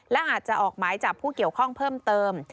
และอาจจะออกหมายจับผู้เกี่ยวข้องเพิ่มเติม